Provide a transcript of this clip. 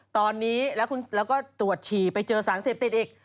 ตอนนี้แล้วก็ตรวจฉี่ไปเจอสารเสพติดอีก